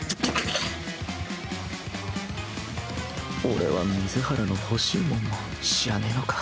俺は水原の欲しいもんも知らねぇのか。